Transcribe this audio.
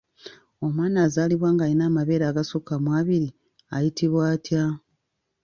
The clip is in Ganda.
Omwana azaalibwa ng'alina amabeere agasukka mu abiri ayitibwa atya?